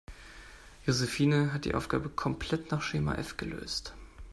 Josephine hat die Aufgabe komplett nach Schema F gelöst.